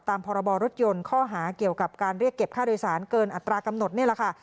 พรบรถยนต์ข้อหาเกี่ยวกับการเรียกเก็บค่าโดยสารเกินอัตรากำหนดนี่แหละค่ะ